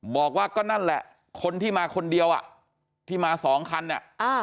บอกว่าก็นั่นแหละคนที่มาคนเดียวอ่ะที่มาสองคันอ่ะ